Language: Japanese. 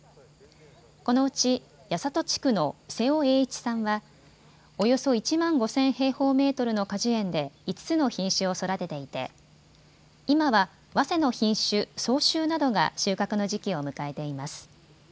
このうち八郷地区の瀬尾栄一さんはおよそ１万５０００平方メートルの果樹園で５つの品種を育てていて今はわせの品種、早秋などが収穫の時期を迎えています。